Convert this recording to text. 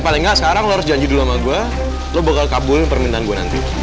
paling nggak sekarang lo harus janji dulu sama gue lo bakal kabulin permintaan gue nanti